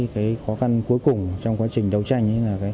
khó khăn cuối cùng trong quá trình đấu tranh